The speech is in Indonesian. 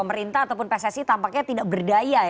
pemerintah ataupun pssi tampaknya tidak berdaya ya